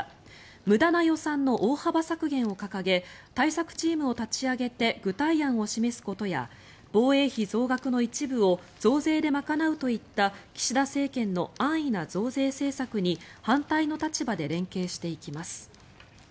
無駄な予算の大幅削減を掲げ対策チームを立ち上げて具体案を示すことや防衛費増額の一部を増税で賄うといった岸田政権の安易な増税政策に反対の立場で連携していきます。